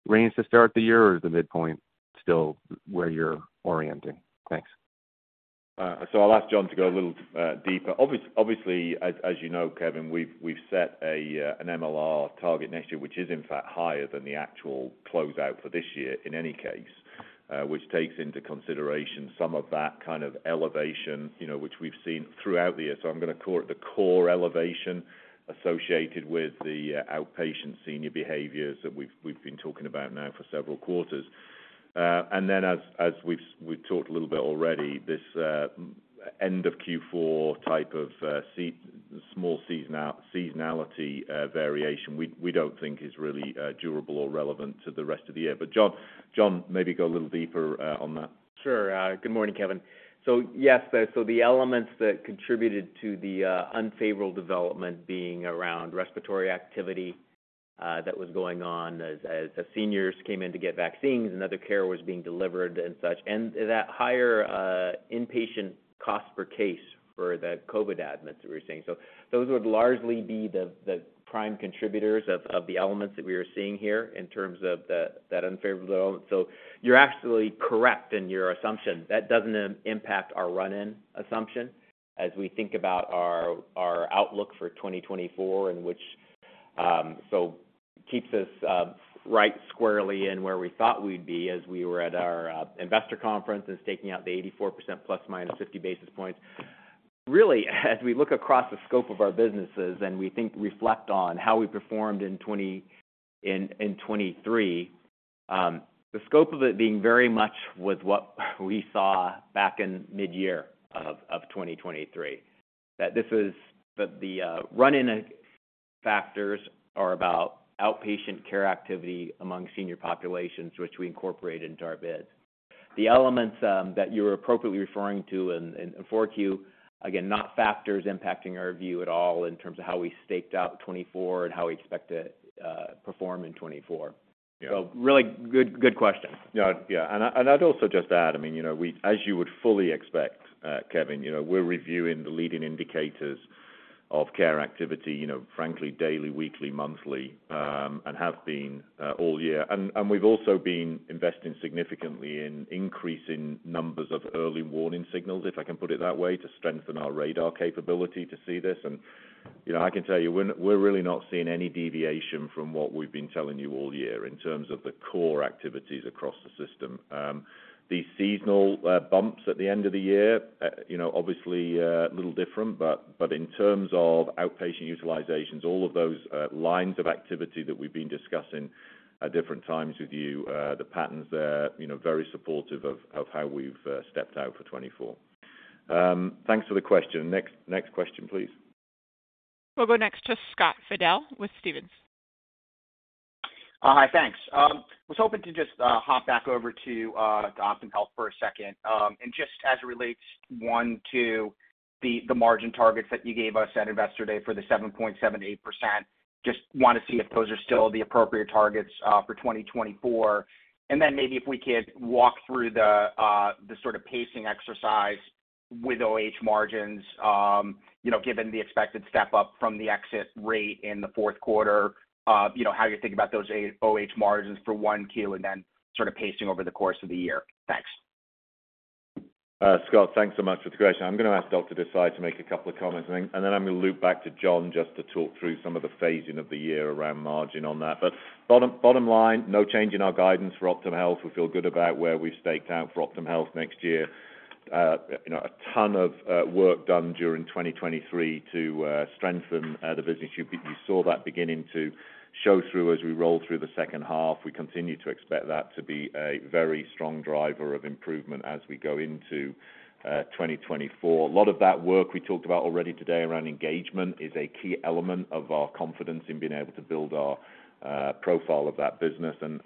range to start the year, or is the midpoint still where you're orienting? Thanks. So I'll ask John to go a little deeper. Obviously, as you know, Kevin, we've set an MLR target next year, which is in fact higher than the actual closeout for this year in any case, which takes into consideration some of that kind of elevation, you know, which we've seen throughout the year. So I'm going to call it the core elevation associated with the outpatient senior behaviors that we've been talking about now for several quarters. And then as we've talked a little bit already, this end of Q4 type of small seasonal variation, we don't think is really durable or relevant to the rest of the year. But John, maybe go a little deeper on that. Sure. Good morning, Kevin. So yes, so the elements that contributed to the unfavorable development being around respiratory activity that was going on as seniors came in to get vaccines and other care was being delivered and such, and that higher inpatient cost per case for the COVID admits that we were seeing. So those would largely be the prime contributors of the elements that we are seeing here in terms of that unfavorable development. So you're absolutely correct in your assumption. That doesn't impact our run-in assumption as we think about our outlook for 2024, and which... So keeps us right squarely in where we thought we'd be as we were at our investor conference, and taking out the 84% ±50 basis points. Really, as we look across the scope of our businesses and we think, reflect on how we performed in 2023. The scope of it being very much with what we saw back in midyear of 2023. That this is, the run-in factors are about outpatient care activity among senior populations, which we incorporate into our bids. The elements that you're appropriately referring to in Q4, again, not factors impacting our view at all in terms of how we staked out 2024 and how we expect to perform in 2024. Yeah. So, really good, good question. Yeah. Yeah, and I'd also just add, I mean, you know, we, as you would fully expect, Kevin, you know, we're reviewing the leading indicators of care activity, you know, frankly, daily, weekly, monthly, and have been all year. And we've also been investing significantly in increasing numbers of early warning signals, if I can put it that way, to strengthen our radar capability to see this. And, you know, I can tell you, we're really not seeing any deviation from what we've been telling you all year in terms of the core activities across the system. The seasonal bumps at the end of the year, you know, obviously, a little different. But, but in terms of outpatient utilizations, all of those lines of activity that we've been discussing at different times with you, the patterns there, you know, very supportive of, of how we've stepped out for 2024. Thanks for the question. Next, next question, please. We'll go next to Scott Fidel with Stephens. Hi, thanks. Was hoping to just hop back over to Optum Health for a second. And just as it relates, one, to the margin targets that you gave us at Investor Day for the 7.78%, just want to see if those are still the appropriate targets for 2024. And then maybe if we could walk through the sort of pacing exercise with OH margins, you know, given the expected step up from the exit rate in the fourth quarter, you know, how you think about those OH margins for Q1, and then sort of pacing over the course of the year. Thanks. Scott, thanks so much for the question. I'm going to ask Dr. Desai to make a couple of comments, and then I'm going to loop back to John just to talk through some of the phasing of the year around margin on that. But bottom, bottom line, no change in our guidance for Optum Health. We feel good about where we've staked out for Optum Health next year. You know, a ton of work done during 2023 to strengthen the business. You, you saw that beginning to show through as we rolled through the second half. We continue to expect that to be a very strong driver of improvement as we go into 2024. A lot of that work we talked about already today around engagement is a key element of our confidence in being able to build our profile of that business. And,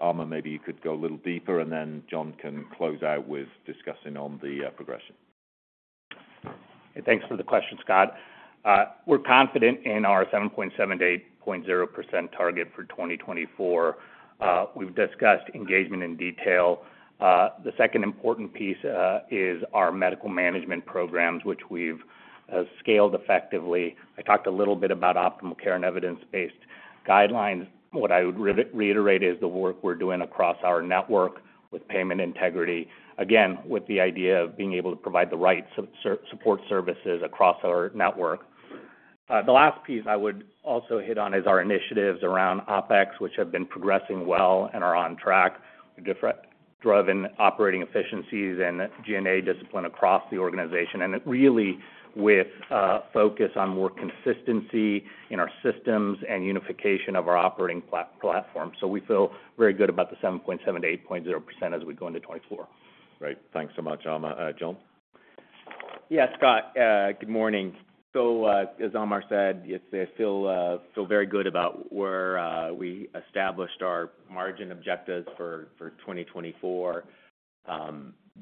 Amar, maybe you could go a little deeper, and then John can close out with discussing on the progression. Thanks for the question, Scott. We're confident in our 7.7% to 8.0% target for 2024. We've discussed engagement in detail. The second important piece is our medical management programs, which we've scaled effectively. I talked a little bit about optimal care and evidence-based guidelines. What I would reiterate is the work we're doing across our network with payment integrity, again, with the idea of being able to provide the right support services across our network. The last piece I would also hit on is our initiatives around OpEx, which have been progressing well and are on track, driven operating efficiencies and G&A discipline across the organization, and it really with focus on more consistency in our systems and unification of our operating platform. We feel very good about the 7.7% to 8.0% as we go into 2024. Great. Thanks so much, Amar. John? Yeah, Scott, good morning. So, as Amar said, it's, I feel, feel very good about where, we established our margin objectives for, for 2024.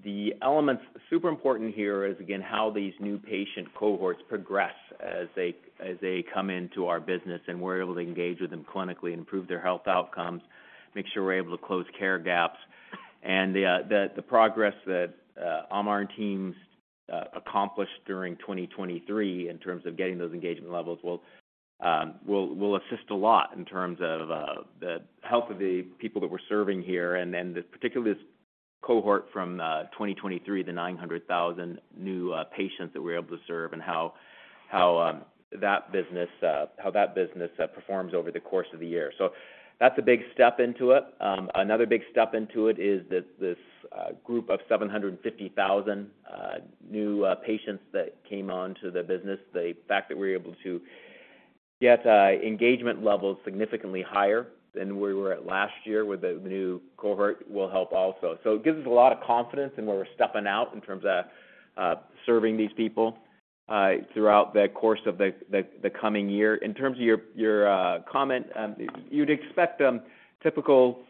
The elements super important here is, again, how these new patient cohorts progress as they, as they come into our business, and we're able to engage with them clinically, improve their health outcomes, make sure we're able to close care gaps. And the, the, the progress that, Amar and teams, accomplished during 2023 in terms of getting those engagement levels will, will, will assist a lot in terms of, the health of the people that we're serving here. And then, particularly this cohort from 2023, the 900,000 new patients that we're able to serve and how that business performs over the course of the year. So that's a big step into it. Another big step into it is that this group of 750,000 new patients that came onto the business, the fact that we're able to get engagement levels significantly higher than we were at last year with the new cohort will help also. So it gives us a lot of confidence in where we're stepping out in terms of serving these people throughout the course of the coming year. In terms of your comment, you'd expect typical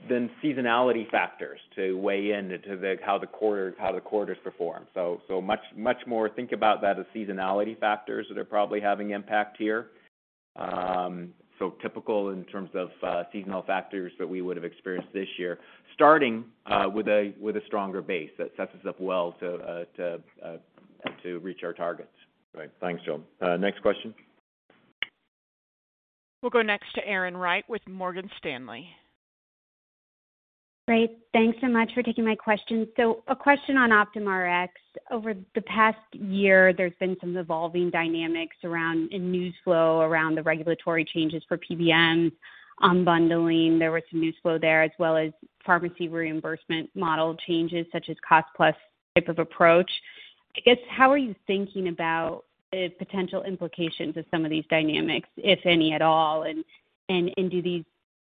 seasonality factors to weigh in to how the quarters perform. So much more think about that as seasonality factors that are probably having impact here. So typical in terms of seasonal factors that we would have experienced this year, starting with a stronger base that sets us up well to reach our targets. Right. Thanks, John. Next question? We'll go next to Erin Wright with Morgan Stanley. Great. Thanks so much for taking my question. So a question on Optum Rx. Over the past year, there's been some evolving dynamics around, in news flow, around the regulatory changes for PBMs, on bundling. There was some news flow there, as well as pharmacy reimbursement model changes, such as cost plus type of approach.... I guess, how are you thinking about the potential implications of some of these dynamics, if any, at all? And, and, and do these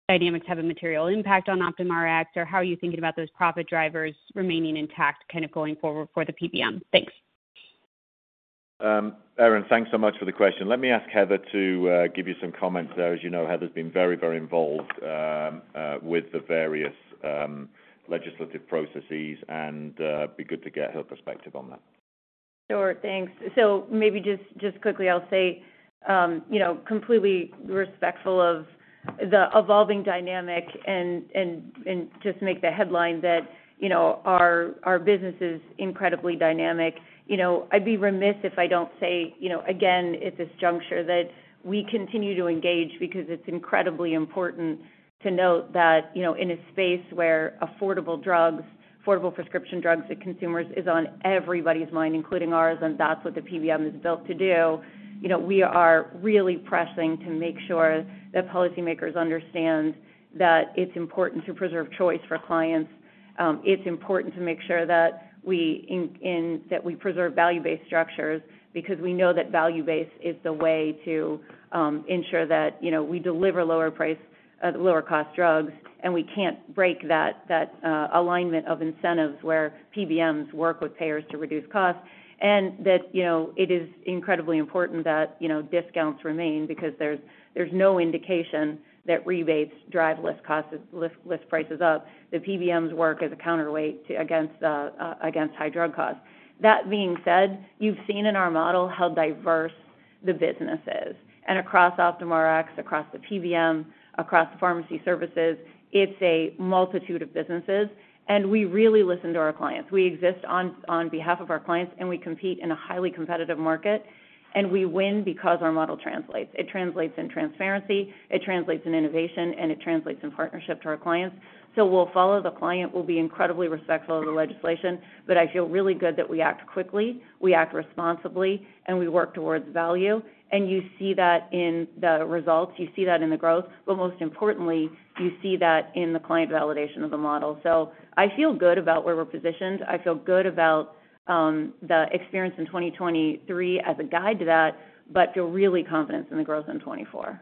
dynamics have a material impact on Optum Rx, or how are you thinking about those profit drivers remaining intact, kind of going forward for the PBM? Thanks. Erin, thanks so much for the question. Let me ask Heather to give you some comments there. As you know, Heather's been very, very involved with the various legislative processes, and it'd be good to get her perspective on that. Sure. Thanks. So maybe just, just quickly, I'll say, you know, completely respectful of the evolving dynamic and just make the headline that, you know, our business is incredibly dynamic. You know, I'd be remiss if I don't say, you know, again, at this juncture, that we continue to engage because it's incredibly important to note that, you know, in a space where affordable drugs, affordable prescription drugs to consumers is on everybody's mind, including ours, and that's what the PBM is built to do. You know, we are really pressing to make sure that policymakers understand that it's important to preserve choice for clients. It's important to make sure that we preserve value-based structures, because we know that value-based is the way to ensure that, you know, we deliver lower price, lower cost drugs, and we can't break that alignment of incentives where PBMs work with payers to reduce costs. That, you know, it is incredibly important that, you know, discounts remain because there's no indication that rebates drive list costs, list prices up. The PBMs work as a counterweight against high drug costs. That being said, you've seen in our model how diverse the business is, and across Optum Rx, across the PBM, across the pharmacy services, it's a multitude of businesses, and we really listen to our clients. We exist on behalf of our clients, and we compete in a highly competitive market, and we win because our model translates. It translates in transparency, it translates in innovation, and it translates in partnership to our clients. So we'll follow the client. We'll be incredibly respectful of the legislation, but I feel really good that we act quickly, we act responsibly, and we work towards value. And you see that in the results, you see that in the growth, but most importantly, you see that in the client validation of the model. So I feel good about where we're positioned. I feel good about the experience in 2023 as a guide to that, but feel really confident in the growth in 2024.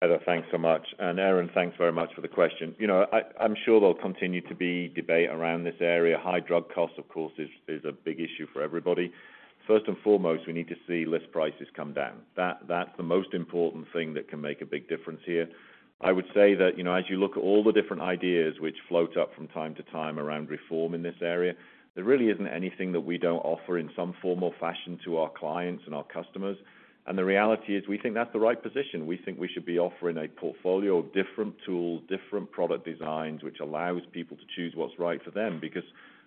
Heather, thanks so much. And Erin, thanks very much for the question. You know, I, I'm sure there'll continue to be debate around this area. High drug costs, of course, is a big issue for everybody. First and foremost, we need to see list prices come down. That, that's the most important thing that can make a big difference here. I would say that, you know, as you look at all the different ideas which float up from time to time around reform in this area, there really isn't anything that we don't offer in some form or fashion to our clients and our customers. And the reality is, we think that's the right position. We think we should be offering a portfolio of different tools, different product designs, which allows people to choose what's right for them. Because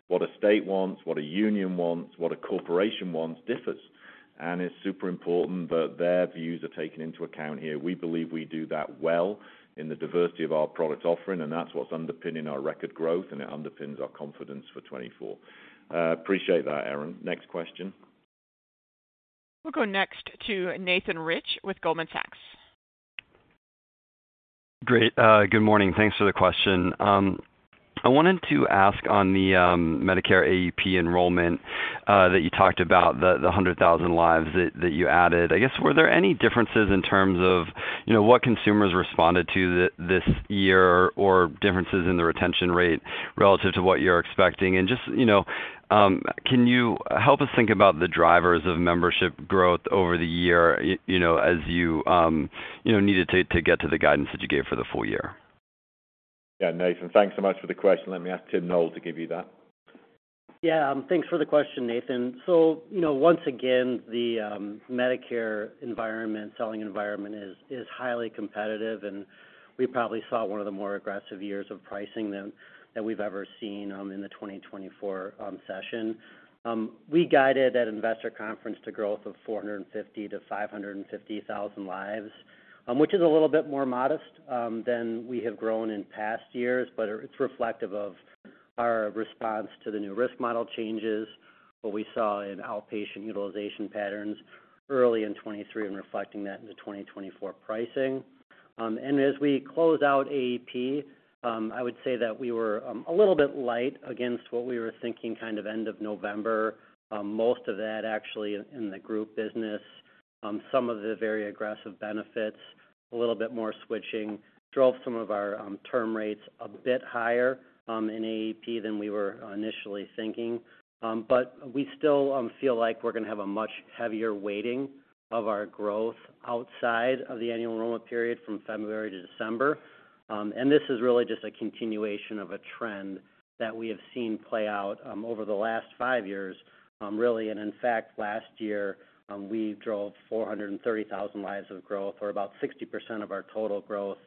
what a state wants, what a union wants, what a corporation wants, differs. And it's super important that their views are taken into account here. We believe we do that well in the diversity of our products offering, and that's what's underpinning our record growth, and it underpins our confidence for 2024. Appreciate that, Erin. Next question. We'll go next to Nathan Rich with Goldman Sachs. Great. Good morning. Thanks for the question. I wanted to ask on the, Medicare AEP enrollment, that you talked about, the, the 100,000 lives that, that you added. I guess, were there any differences in terms of, you know, what consumers responded to this year, or differences in the retention rate relative to what you're expecting? And just, you know, can you help us think about the drivers of membership growth over the year, you know, as you, you know, needed to, to get to the guidance that you gave for the full year? Yeah, Nathan, thanks so much for the question. Let me ask Tim Noel to give you that. Yeah, thanks for the question, Nathan. So, you know, once again, the Medicare environment, selling environment is highly competitive, and we probably saw one of the more aggressive years of pricing than that we've ever seen in the 2024 session. We guided at investor conference to growth of 450,000 to 550,000 lives, which is a little bit more modest than we have grown in past years, but it's reflective of our response to the new risk model changes, what we saw in outpatient utilization patterns early in 2023 and reflecting that in the 2024 pricing. And as we close out AEP, I would say that we were a little bit light against what we were thinking, kind of end of November. Most of that actually in the group business. Some of the very aggressive benefits, a little bit more switching, drove some of our term rates a bit higher in AEP than we were initially thinking. But we still feel like we're gonna have a much heavier weighting of our growth outside of the Annual Enrollment Period from February to December. And this is really just a continuation of a trend that we have seen play out over the last five years, really, and in fact, last year, we drove 430,000 lives of growth, or about 60% of our total growth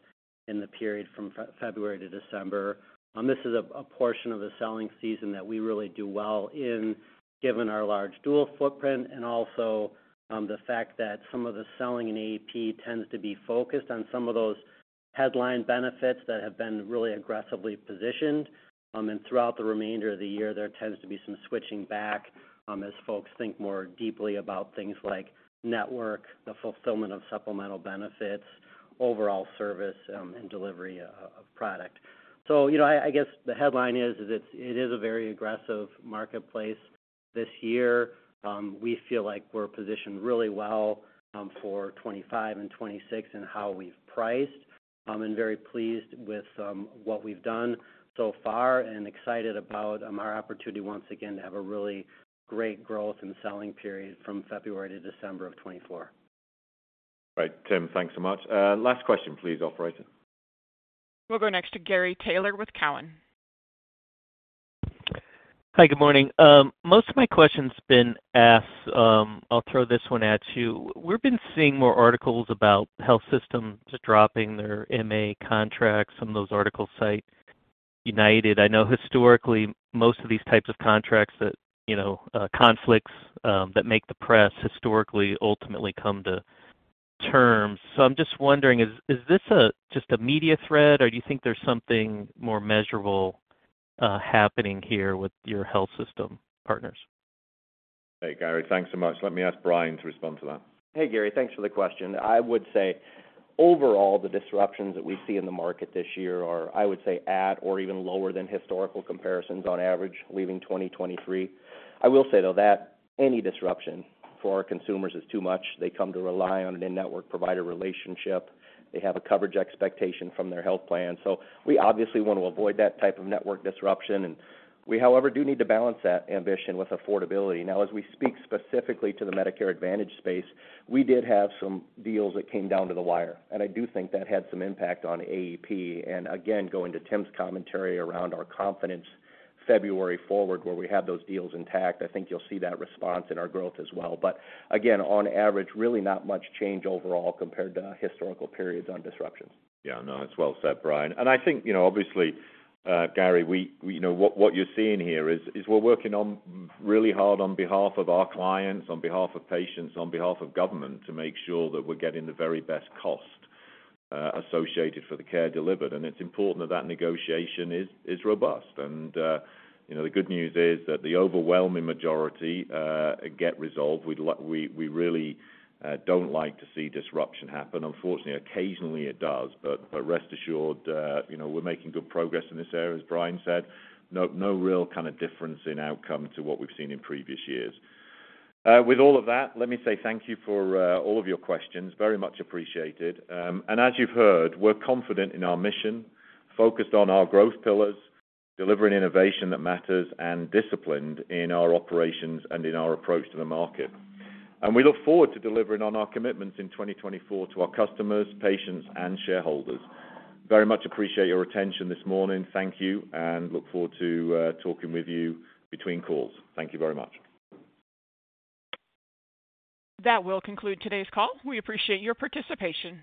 in the period from February to December. This is a portion of the selling season that we really do well in, given our large dual footprint, and also the fact that some of the selling in AEP tends to be focused on some of those headline benefits that have been really aggressively positioned. And throughout the remainder of the year, there tends to be some switching back, as folks think more deeply about things like network, the fulfillment of supplemental benefits, overall service, and delivery of product. So, you know, I guess the headline is it's—it is a very aggressive marketplace. This year, we feel like we're positioned really well, for 2025 and 2026 in how we've priced, and very pleased with, what we've done so far, and excited about, our opportunity once again, to have a really great growth in selling period from February to December of 2024. Right. Tim, thanks so much. Last question, please, operator. We'll go next to Gary Taylor with Cowen. Hi, good morning. Most of my questions have been asked. I'll throw this one at you. We've been seeing more articles about health systems dropping their MA contracts. Some of those articles cite United. I know historically, most of these types of contracts that, you know, conflicts, that make the press historically, ultimately come to terms. So I'm just wondering, is this just a media thread, or do you think there's something more measurable happening here with your health system partners? Hey, Gary, thanks so much. Let me ask Brian to respond to that. Hey, Gary, thanks for the question. I would say, overall, the disruptions that we see in the market this year are, I would say, at or even lower than historical comparisons on average, leaving 2023. I will say, though, that any disruption for our consumers is too much. They come to rely on a network provider relationship. They have a coverage expectation from their health plan, so we obviously want to avoid that type of network disruption, and we, however, do need to balance that ambition with affordability. Now, as we speak specifically to the Medicare Advantage space, we did have some deals that came down to the wire, and I do think that had some impact on AEP. And again, going to Tim's commentary around our confidence February forward, where we have those deals intact, I think you'll see that response in our growth as well. Again, on average, really not much change overall compared to historical periods on disruptions. Yeah, no, it's well said, Brian. And I think, you know, obviously, Gary, you know, what you're seeing here is we're working on really hard on behalf of our clients, on behalf of patients, on behalf of government, to make sure that we're getting the very best cost associated for the care delivered. And it's important that negotiation is robust. And, you know, the good news is that the overwhelming majority get resolved. We'd like—we really don't like to see disruption happen. Unfortunately, occasionally it does, but rest assured, you know, we're making good progress in this area, as Brian said, no real kind of difference in outcome to what we've seen in previous years. With all of that, let me say thank you for all of your questions. Very much appreciated. And as you've heard, we're confident in our mission, focused on our growth pillars, delivering innovation that matters, and disciplined in our operations and in our approach to the market. We look forward to delivering on our commitments in 2024 to our customers, patients, and shareholders. Very much appreciate your attention this morning. Thank you, and look forward to talking with you between calls. Thank you very much. That will conclude today's call. We appreciate your participation.